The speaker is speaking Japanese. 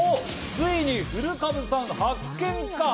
ついに古株さん発見か？